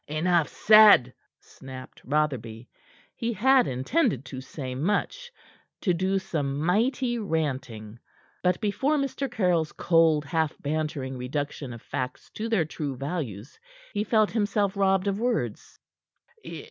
"Enough said!" snapped Rotherby. He had intended to say much, to do some mighty ranting. But before Mr. Caryll's cold half bantering reduction of facts to their true values, he felt himself robbed of words.